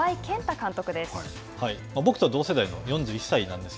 僕と同世代の４１歳なんですけ